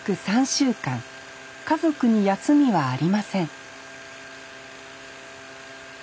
３週間家族に休みはありません